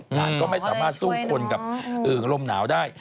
หลานก็ไม่สามารถสู้คนกับอืมการรวมหนาวได้